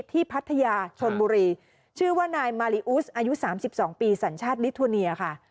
ที่พัทยาชนบุรีชื่อว่านายมาริอุ๊สอายุสามสิบสองปีสัญชาตินิทวณียะค่ะ